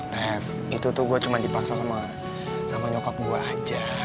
nah itu tuh gue cuma dipaksa sama nyokap gue aja